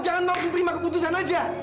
jangan novel terima keputusan aja